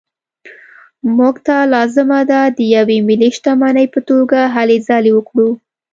موږ ته لازمه ده د یوې ملي شتمنۍ په توګه هلې ځلې وکړو.